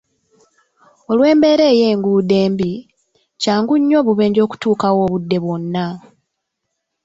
Olw'embeera ey'enguudo embi , kyangu nnyo obubenje okutuukawo obudde bwonna.